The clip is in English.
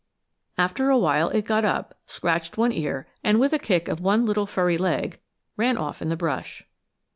After a while it got up, scratched one ear, and with a kick of one little furry leg ran off in the brush.